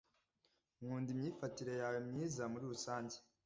nkunda imyifatire yawe myiza muri rusange